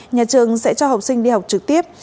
nhà trường sẽ cho học sinh đi học trực tiếp